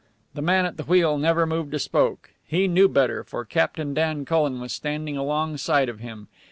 The man at the wheel never moved a spoke. He knew better, for Captain Dan Cullen was standing alongside of him.